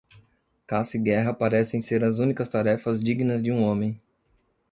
Caça e guerra parecem ser as únicas tarefas dignas de um homem.